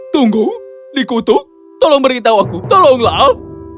tunggu dikutuk tolong beritahu aku tolonglah